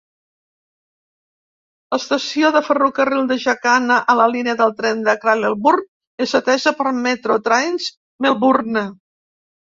L'estació de ferrocarril de Jacana a la línia de tren de Craigieburn és atesa per Metro Trains Melbourne.